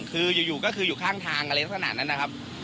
คืออยู่ก็คืออยู่ข้างทางอะไรขนาดนั้นนะครับ